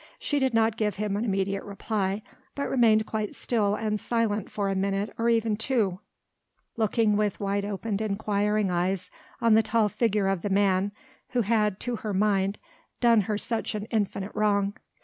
She did not give him an immediate reply but remained quite still and silent for a minute or even two, looking with wide open inquiring eyes on the tall figure of the man who had to her mind done her such an infinite wrong.